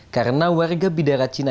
karena warga bidara cina